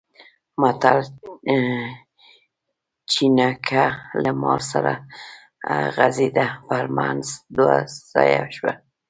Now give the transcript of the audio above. متل؛ چينګه له مار سره غځېده؛ پر منځ دوه ځايه شوه.